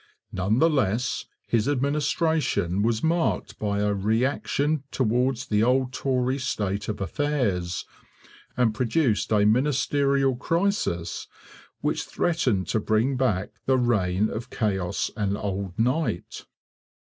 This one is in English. None the less, his administration was marked by a reaction towards the old Tory state of affairs, and produced a ministerial crisis which threatened to bring back the reign of Chaos and old Night.